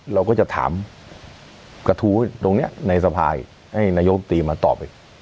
เราก็จะถามกระทู้ตรงนี้ในสภายให้นายกรรมตรีมาตอบอีก